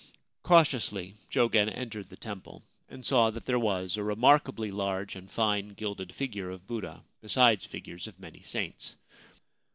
Cautiously Jogen entered the temple, and saw that there was a remarkably large and fine gilded figure of Buddha, besides figures of many saints.